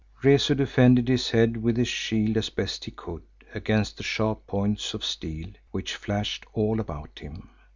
Rezu defended his head with his shield as best he could against the sharp points of steel which flashed all about him.